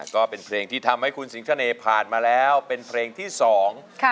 ก็เป็นเพลงที่ทำให้คุณสิงเสน่ห์ผ่านมาแล้วเป็นเพลงที่สองค่ะ